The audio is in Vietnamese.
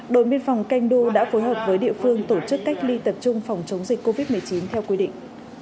đội biên phòng canh du đã phối hợp với địa phương tổ chức cách ly tập trung phòng chống dịch covid một mươi chín theo quy định